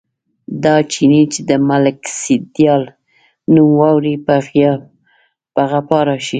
دا چيني چې د ملک سیدلال نوم واوري، په غپا راشي.